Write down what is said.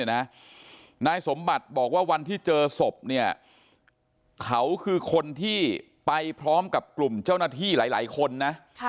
นายสมบัติบอกว่าวันที่เจอศพเนี่ยเขาคือคนที่ไปพร้อมกับกลุ่มเจ้าหน้าที่หลายคนนะ